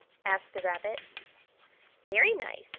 asked the Rabbit. "Very nice!"